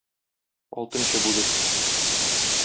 Алтынчы бүлек.